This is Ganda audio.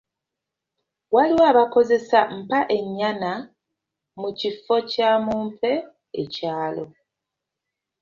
Waliwo abakozesa ,“Mpa ennyana” mu kifo kya “mumpe ekyalo”.